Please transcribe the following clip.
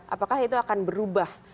apakah itu akan berubah